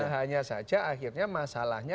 hanya saja akhirnya masalahnya